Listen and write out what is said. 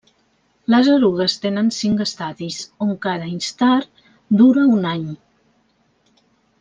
Les erugues tenen cinc estadis, on cada instar dura un any.